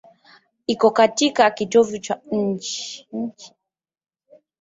Iko katika kitovu cha nchi.